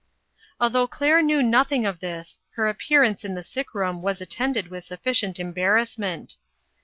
Although Claire knew nothing of this, her appearance in the sick room was at tended with sufficient embarrassment.